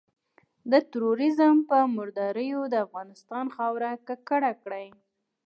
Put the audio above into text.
د ترورېزم په مرداریو د افغانستان خاوره ککړه کړي.